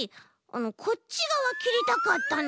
こっちがわきりたかったの。